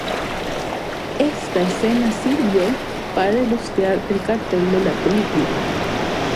Esta escena sirvió para ilustrar el cartel de la película.